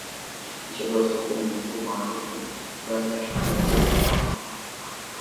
mchezo wa soka umekua maarufi baada ya teknolojia kukua